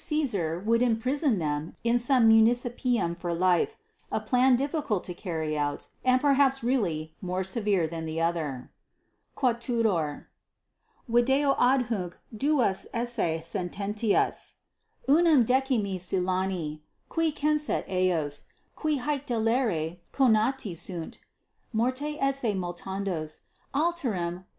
Caesar would imprison them in some municipium for life; a plan difficult to carry out, and perhaps really more severe than the other._ =4.= Video adhuc duas esse sententias, unam D. Silani, qui censet 7 eos, qui haec delere conati sunt, morte esse multandos, alteram C.